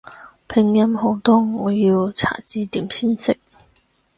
拼音好多我要查字典先識